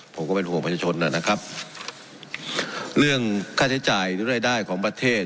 ผมก็เป็นห่วงประชาชนนะครับเรื่องค่าใช้จ่ายหรือรายได้ของประเทศ